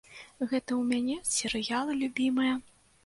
Гэта ў мяне серыялы любімыя.